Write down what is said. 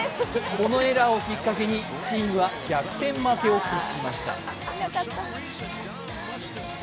このエラーをきっかけにチームは逆転負けを喫しました。